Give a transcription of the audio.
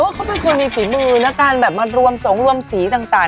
เขาเป็นคนมีฝีมือนะการแบบมารวมสงรวมสีต่าง